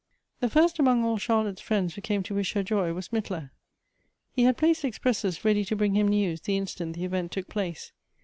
The first among all Charlotte's friends who came to wish her joy was Mittler. He had placed expresses ready to bring him news the instant the event took place.